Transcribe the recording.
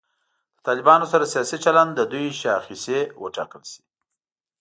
له طالبانو سره سیاسي چلند د دوی شاخصې وټاکل شي.